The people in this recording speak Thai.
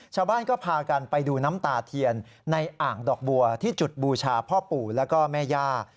ชาวบ้านก็พากันไปดูน้ำตาเทียนในอ่างดอกบัวที่จุดบูชาพ่อปู่แล้วก็แม่ย่า